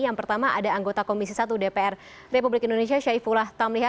yang pertama ada anggota komisi satu dpr republik indonesia syaifullah tamliha